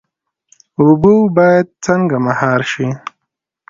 اوبه باید څنګه مهار شي؟